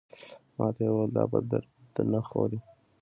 ماته یې وویل دا په درد نه خوري.